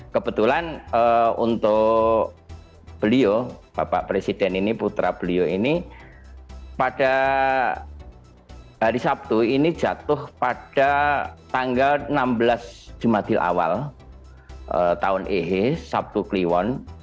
kebetulan untuk beliau bapak presiden ini putra beliau ini pada hari sabtu ini jatuh pada tanggal enam belas jumadil awal tahun ehe sabtu kliwon